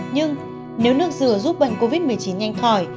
nhưng nếu nước dừa giúp bệnh covid một mươi chín nhanh khỏi